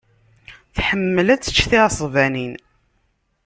Tḥemmel ad tečč tiɛesbanin.